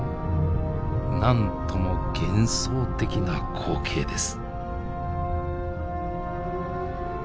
なんとも幻想的な光景です。